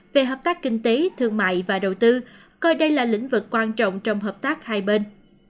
về hợp tác kinh tế thương mại và đầu tư coi đây là lĩnh vực quan trọng trong hợp tác hai bên